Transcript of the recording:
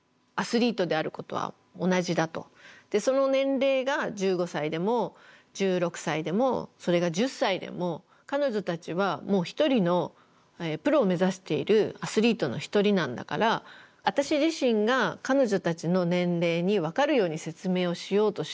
その年齢が１５歳でも１６歳でもそれが１０歳でも彼女たちはもう一人のプロを目指しているアスリートの一人なんだから私自身が彼女たちの年齢に分かるように説明をしようとしなくてもいいと。